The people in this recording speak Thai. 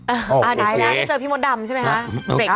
อ่ะได้ละเจอพี่มดดำใช่มั้ยฮะ